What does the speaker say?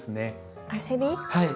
はい。